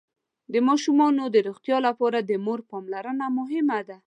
د ماشومانو د روغتيا لپاره د مور پاملرنه مهمه ده.